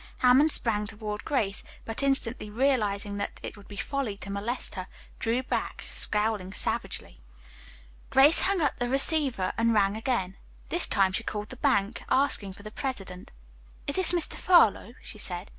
Hammond sprang toward Grace, but instantly realizing that it would be folly to molest her, drew back, scowling savagely. Grace hung up the receiver and rang again. This time she called the bank, asking for the president. "Is this Mr. Furlow?" she said.